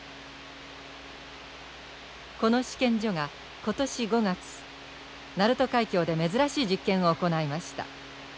この試験所が今年５月鳴門海峡で珍しい実験を行いました。